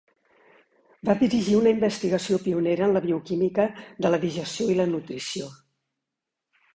Va dirigir una investigació pionera en la bioquímica de la digestió i la nutrició.